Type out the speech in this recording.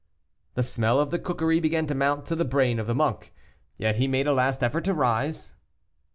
The smell of the cookery began to mount to the brain of the monk. Yet he made a last effort to rise.